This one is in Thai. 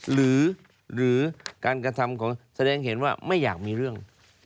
หรือการกระทำของแสดงเห็นว่าไม่อยากมีเรื่อง